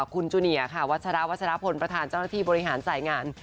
คุณจูเนียค่ะวัชราวัชรพลประธานเจ้าหน้าที่บริหารสายงาน